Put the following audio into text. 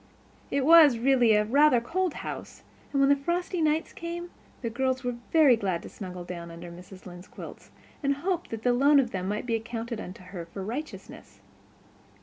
It was really a rather cold house; and when the frosty nights came the girls were very glad to snuggle down under Mrs. Lynde's quilts, and hoped that the loan of them might be accounted unto her for righteousness.